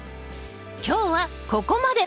今日はここまで！